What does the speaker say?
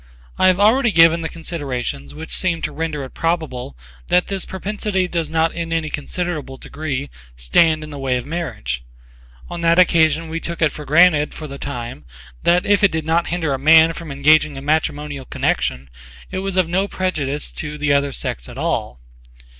I have already given the considerations which seem to render it probable that this propensity does not in any considerable degree stand in the way of marriage: on that occasion we took it for granted for the time that if it did not hinder a man from engaging in matrimonial connection, it was of no prejudice to the I other sex at all.